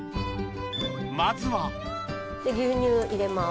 まずは牛乳入れます。